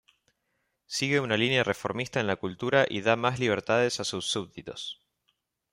Sigue una línea reformista en la cultura y da más libertades a sus súbditos.